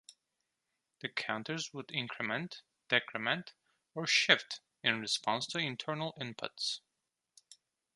The counters would increment, decrement, or shift in response to internal inputs.